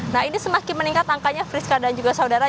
nah ini semakin meningkat angkanya friska dan juga saudara